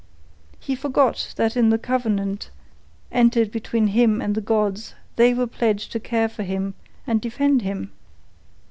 He forgot that in the covenant entered into between him and the gods they were pledged to care for him and defend him.